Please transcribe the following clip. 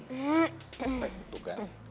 eh tuh kan